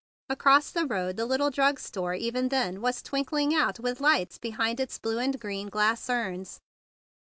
Across the road the little drug store even then was twink¬ ling out with lights behind its blue and green glass urns.